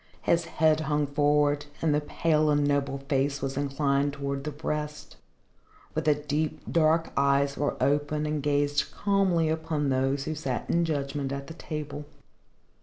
His head hung forward and the pale and noble face was inclined towards the breast, but the deep, dark eyes were open and gazed calmly upon those who sat in judgment at the table.